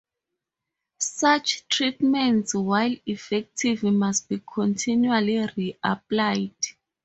Such treatments, while effective, must be continually reapplied.